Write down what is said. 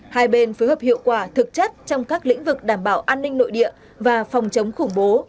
hai bên phối hợp hiệu quả thực chất trong các lĩnh vực đảm bảo an ninh nội địa và phòng chống khủng bố